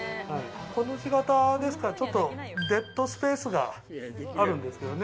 コの字型ですからデッドスペースがあるんですけどね。